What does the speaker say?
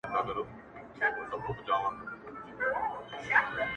د کهول یو غړی تنها مات کړي,